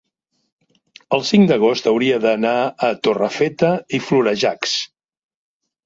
el cinc d'agost hauria d'anar a Torrefeta i Florejacs.